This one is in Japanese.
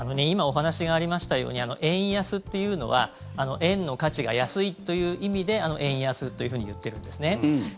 今お話がありましたように円安というのは円の価値が安いという意味で円安といってるんですね。